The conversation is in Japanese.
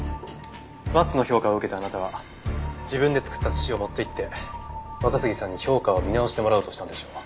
バツの評価を受けたあなたは自分で作った寿司を持っていって若杉さんに評価を見直してもらおうとしたんでしょう。